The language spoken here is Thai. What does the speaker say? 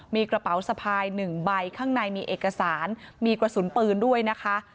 มีกระเป๋าสะพาย๑ใบข้างในมีเอกสารมีกระสุนปืนด้วยนะคะ